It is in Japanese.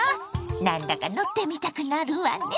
なんだか乗ってみたくなるわね。